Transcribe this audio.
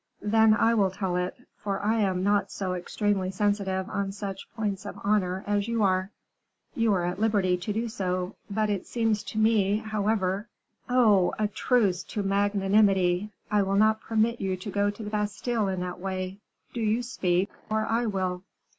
"Then I will tell it, for I am not so extremely sensitive on such points of honor as you are." "You are at liberty to do so, but it seems to me, however " "Oh! a truce to magnanimity; I will not permit you to go to the Bastile in that way. Do you speak; or I will."